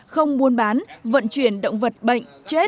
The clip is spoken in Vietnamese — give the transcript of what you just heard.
không buôn bán vận chuyển động vật bệnh chết